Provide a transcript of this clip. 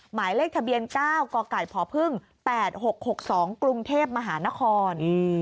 หมายเลขทะเบียน๙กไก่พพ๘๖๖๒กรุงเทพมหานคร